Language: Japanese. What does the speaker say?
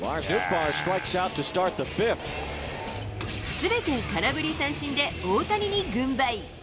すべて空振り三振で、大谷に軍配。